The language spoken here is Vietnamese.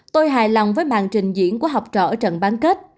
tôi hài lòng với mạng trình diễn của học trò ở trận bán kết